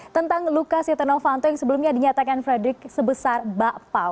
tentang luka seti novanto yang sebelumnya dinyatakan frederick sebesar bapak pau